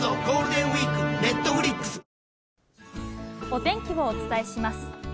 お天気をお伝えします。